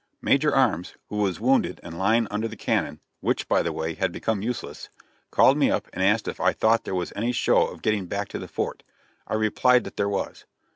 Major Arms, who was wounded and lying under the cannon which, by the way, had become useless, called me up and asked if I thought there was any show of getting back to the fort. I replied that there was.